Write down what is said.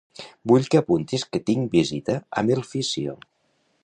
Vull que apuntis que tinc visita amb el físio.